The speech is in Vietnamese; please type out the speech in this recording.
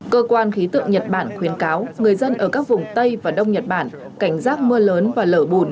cơ quan khí tượng nhật bản khuyến cáo người dân ở các vùng tây và đông nhật bản cảnh giác mưa lớn và lở bùn